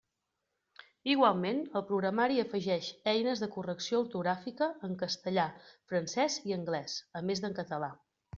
Igualment, el programari afegeix eines de correcció ortogràfica en castellà, francès i anglès, a més d'en català.